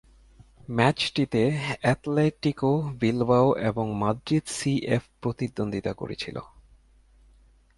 ম্যাচটিতে Athletic Bilbao এবং Madrid CF প্রতিদ্বন্দ্বিতা করেছিল।